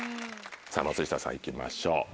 さぁ松下さん行きましょう。